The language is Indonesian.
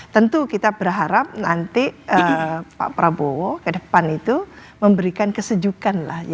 tentu kita berharap nanti pak prabowo ke depan itu memberikan kesejukan